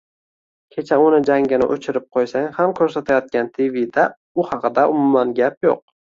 Kecha uni jangini oʻchirib qoʻysang ham koʻrsatayotgan tvda u haqida umuman gap yoʻq.